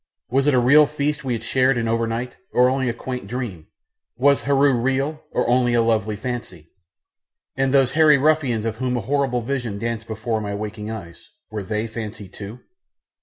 Was it a real feast we had shared in overnight, or only a quaint dream? Was Heru real or only a lovely fancy? And those hairy ruffians of whom a horrible vision danced before my waking eyes, were they fancy too?